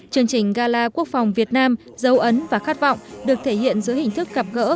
chương trình gala quốc phòng việt nam dấu ấn và khát vọng được thể hiện dưới hình thức gặp gỡ